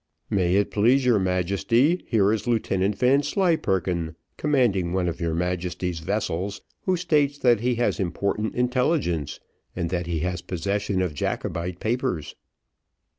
"May it please your Majesty, here is Lieutenant Vanslyperken, commanding one of your Majesty's vessels, who states that he has important intelligence, and that he has possession of Jacobite papers."